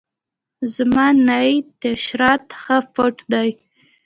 زما نئی تیشرت ښه فټ ده.